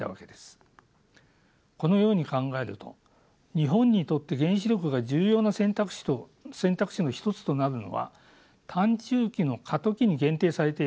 このように考えると日本にとって原子力が重要な選択肢の一つとなるのは短・中期の過渡期に限定されていることが分かります。